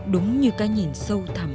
đúng như cái nhìn sâu thẳm